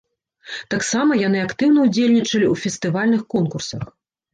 Таксама яны актыўна удзельнічалі ў фэстывальных конкурсах.